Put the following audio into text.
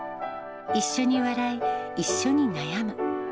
一緒に笑い、一緒に悩む。